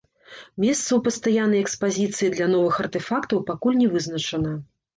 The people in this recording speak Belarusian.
Месца ў пастаяннай экспазіцыі для новых артэфактаў пакуль не вызначана.